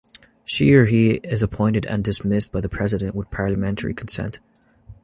She or he is appointed and dismissed by the president with parliamentary consent.